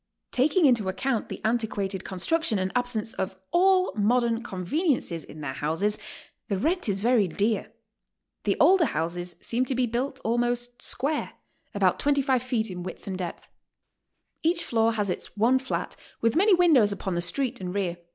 'Taking into account the antiquated con struction and absence of all modern conveniences in their houses, the rent is very dear. The older houses seem to be built almost square — about 25 feet in width and depth. Each floor has its one flat, with many windows upon the street and rear.